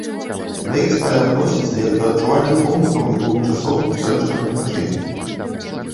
Да іх сталі адносіцца як да адчувальных помнікаў мінулых часоў гістарычнага значэння.